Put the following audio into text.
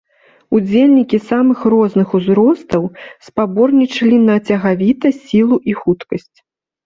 Удзельнікі самых розных узростаў спаборнічалі на цягавітасць, сілу і хуткасць.